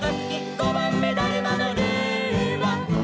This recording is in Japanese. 「ごばんめだるまのルーは」